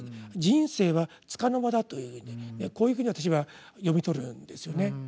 「人生は束の間だ」というふうにこういうふうに私は読み取るんですよね。